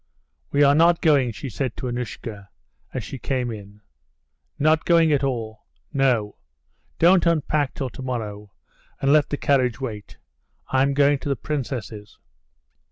"We are not going," she said to Annushka, as she came in. "Not going at all?" "No; don't unpack till tomorrow, and let the carriage wait. I'm going to the princess's."